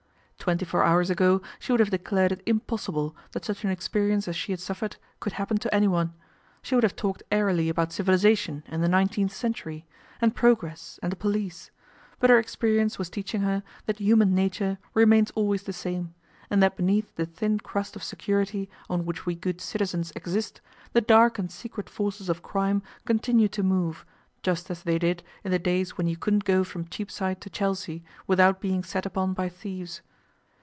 Twenty four hours ago she would have declared it impossible that such an experience as she had suffered could happen to anyone; she would have talked airily about civilization and the nineteenth century, and progress and the police. But her experience was teaching her that human nature remains always the same, and that beneath the thin crust of security on which we good citizens exist the dark and secret forces of crime continue to move, just as they did in the days when you couldn't go from Cheapside to Chelsea without being set upon by thieves.